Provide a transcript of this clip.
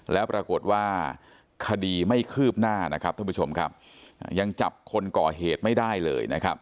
แล้วปรากฏว่าคดีไม่คืบหน้ายังจับคนก่อเหตุไม่ได้เลย